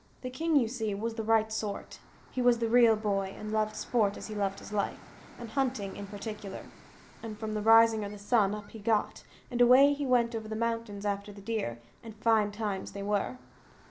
The king, you see, was the right sort; he was the real boy, and loved sport as he loved his life, and hunting in particular; and from the rising o' the sun, up he got, and away he went over the mountains after the deer; and fine times they were.